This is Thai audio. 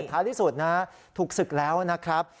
ท้ายที่สุดนะถูกศึกแล้วนะครับ